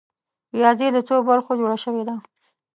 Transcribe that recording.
ریاضي له څو برخو جوړه شوې ده؟